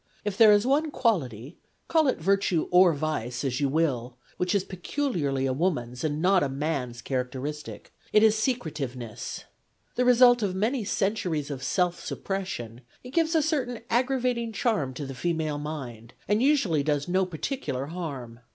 If there is one quality — call it virtue or vice, as you will — which is peculiarly a woman's and not a man's character istic, it is secretiveness. The result of many cen turies of self suppression, it gives a certain aggrav ating charm to the female mind, and usually does no particular harm.